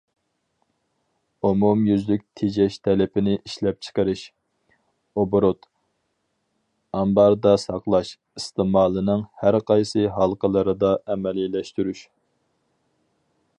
ئومۇميۈزلۈك تېجەش تەلىپىنى ئىشلەپچىقىرىش، ئوبوروت، ئامباردا ساقلاش، ئىستېمالنىڭ ھەر قايسى ھالقىلىرىدا ئەمەلىيلەشتۈرۈش.